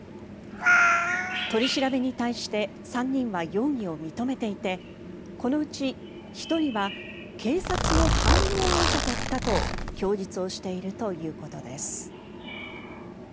取り調べに対して３人は容疑を認めていてこのうち１人は警察の反応を見たかったと供述をしているということです。